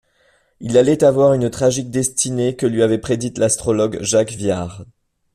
Il allait avoir une tragique destinée que lui avait prédite l'astrologue Jacques Viard.